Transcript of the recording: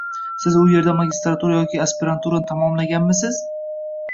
Siz u yerda magistratura yoki aspiranturani tamomlaganmisiz?